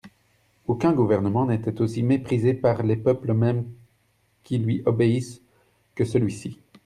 Aucun gouvernement n'était aussi méprisé par les peuples mêmes qui lui obéissent, que celui-ci.